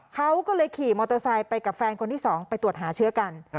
เขาก็เลยขี่มอเตอร์ไซค์ไปกับแฟนคนที่๒ไปตรวจหาเชื้อกัน